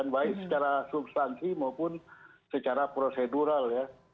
baik secara substansi maupun secara prosedural ya